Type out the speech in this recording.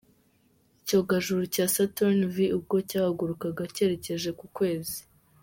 Icyogajuru cya Saturn V ubwo cyahagurukaga cyerekeje ku Kwezi.